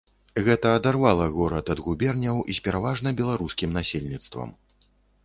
Гэта адарвала горад ад губерняў з пераважна беларускім насельніцтвам.